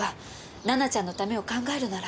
奈々ちゃんのためを考えるなら。